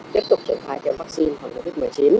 tiếp tục triển khai các vaccine covid một mươi chín